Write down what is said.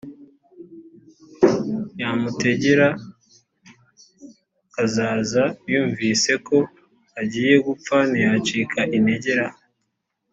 nyamutegerakazaza yumvise ko agiye gupfa ntiyacika integer.